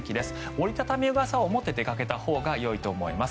折り畳み傘を持って出かけたほうがよいと思います。